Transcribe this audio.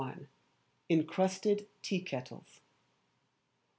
Encrusted Tea Kettles.